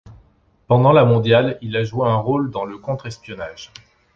Pendant la mondiale, il a joué un rôle dans le contre espionnage.